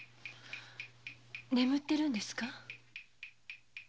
眠ってるんですか？